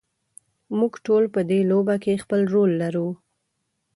موږ ټول په دې لوبه کې خپل رول لرو.